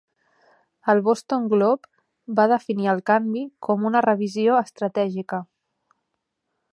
El Boston Globe va definir el canvi com una "revisió estratègica".